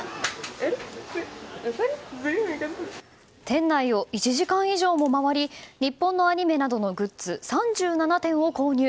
店内を１時間以上も回り日本のアニメなどのグッズ３７点を購入。